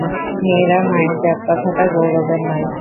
মেয়েরা মায়ের জাত, কথাটা গৌরবের নয়।